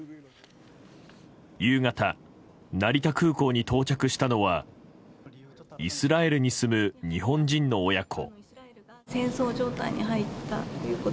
夕方、成田空港に到着したのはイスラエルに住む日本人の親子。